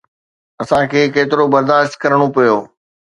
اسان کي ڪيترو برداشت ڪرڻو پيو.